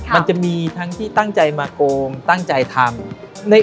มันจะมีทั้งที่ตั้งใจมาโกงตั้งใจทำ